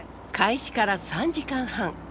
開始から３時間半。